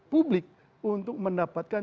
publik untuk mendapatkan